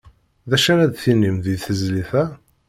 D acu ara d-tinim di tezlit-a?